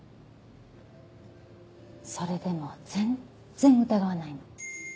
それでも全然疑わないの。